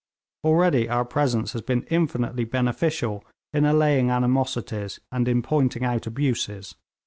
Already our presence has been infinitely beneficial in allaying animosities and in pointing out abuses.'